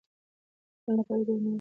ډاکټرانو لپاره دا یو نوښت دی.